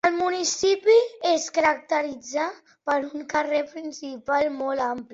El municipi es caracteritza per un carrer principal molt ampli.